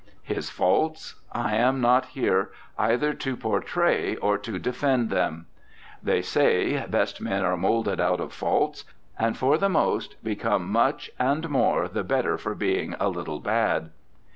His faults ? I am not here either to portray or to defend them. They say, best men are moulded out of faults : And, for the most, become much and more the better For being a little bad.